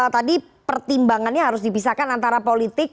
tadi pertimbangannya harus dipisahkan antara politik